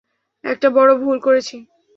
একটা বড় ভুল করেছি।